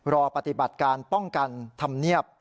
รอปฏิบัติการป้องกันธรรมเนียบ